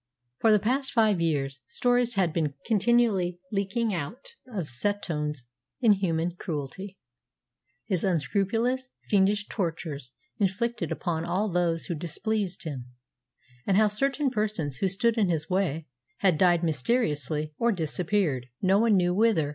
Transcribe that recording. "For the past five years stories had been continually leaking out of Setoun's inhuman cruelty, his unscrupulous, fiendish tortures inflicted upon all those who displeased him, and how certain persons who stood in his way had died mysteriously or disappeared, no one knew whither.